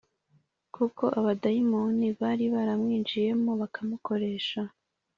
kuko abadayimoni bari baramwinjiyemo bamukoresha